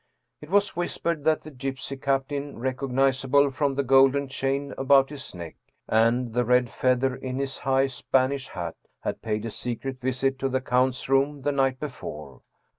It was whispered that the gypsy captain, recognizable from the golden chain about his neck and the red feather in his high Spanish hat, had paid a secret visit to the count's room the night before.